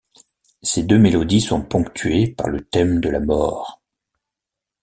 Ces deux mélodies sont ponctuées par le thème de la mort.